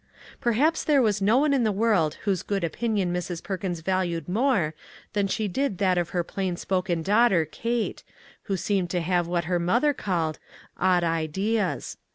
Perhaps there was no one in the world whose good opin ion Mrs. Perkins valued more than she did that of her plain spoken daughter Kate, who seemed to have what her mother called " odd ideas."